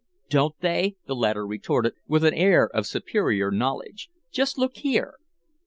"Don't they!" the latter retorted, with an air of superior knowledge. "Just look here!"